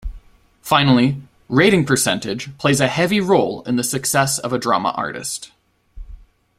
Finally, rating percentage plays a heavy role in the success of a drama artist.